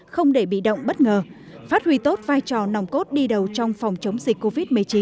không để bị động bất ngờ phát huy tốt vai trò nòng cốt đi đầu trong phòng chống dịch covid một mươi chín